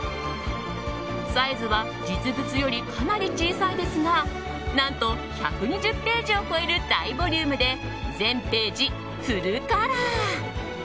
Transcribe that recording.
サイズは実物よりかなり小さいですが何と、１２０ページを超える大ボリュームで全ページ、フルカラー。